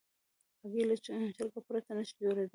هګۍ له چرګه پرته نشي جوړېدای.